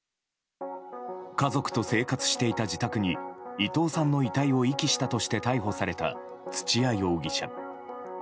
家族と生活していた自宅に伊藤さんの遺体を遺棄したとして逮捕された土屋容疑者。